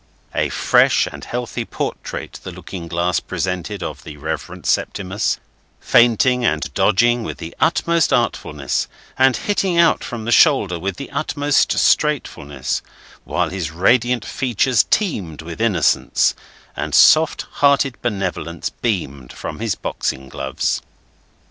A fresh and healthy portrait the looking glass presented of the Reverend Septimus, feinting and dodging with the utmost artfulness, and hitting out from the shoulder with the utmost straightness, while his radiant features teemed with innocence, and soft hearted benevolence beamed from his boxing gloves.